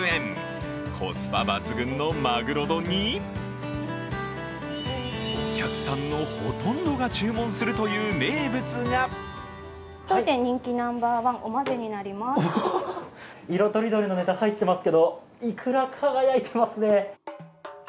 コスパ抜群のまぐろ丼にお客さんのほとんどが注文するという名物が色とりどりのネタ、入っていますけど、いくら、輝いていますね。